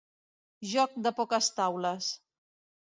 Joc de poques taules.